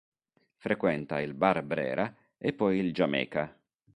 Frequenta il Bar Brera e poi il Jamaica.